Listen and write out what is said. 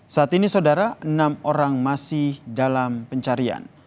saat ini saudara enam orang masih dalam pencarian